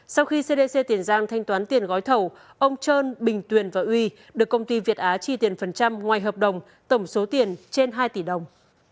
sau khi cdc tiền giang thanh toán tiền gói thầu ông trân bình tuyền và uy được công ty việt á chi tiền phần trăm ngoài hợp đồng tổng số tiền trên hai tỷ đồng